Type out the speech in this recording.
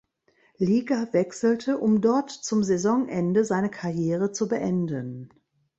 Liga wechselte, um dort zum Saisonende seine Karriere zu beenden.